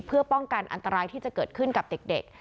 เพื่อป้องกันอันตรายที่จะเกิดขึ้นกับเด็ก